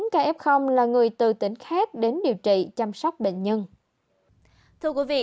hai mươi bốn ca f là người từ tỉnh khác đến điều trị chăm sóc bệnh nhân